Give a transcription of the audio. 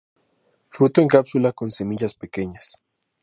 Fruto en cápsula con semillas pequeñas.